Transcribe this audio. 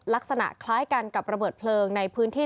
ลักษณะคล้ายกันกับระเบิดเพลิงในพื้นที่